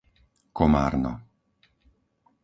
Komárno